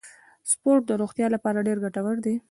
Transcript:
سپورت د روغتیا لپاره ډیر ګټور دی.